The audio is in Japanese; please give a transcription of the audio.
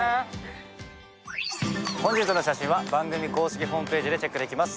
本日の写真は番組公式ホームページでチェックできます。